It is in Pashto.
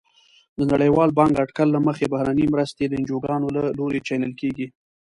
د نړیوال بانک اټکل له مخې بهرنۍ مرستې د انجوګانو له لوري چینل کیږي.